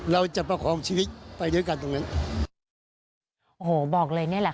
เราจะประคองชีวิตไปด้วยกันตรงนั้นโอ้โหบอกเลยเนี่ยแหละค่ะ